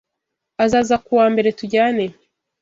Azaza ku wa Mbere tujyane